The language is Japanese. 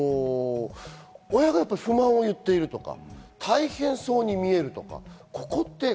親が不満を言ってるとか、大変そうに見えるとか。